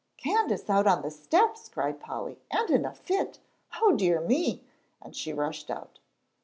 "Candace out on the steps," cried Polly, "and in a fit! O dear me!" and she rushed out.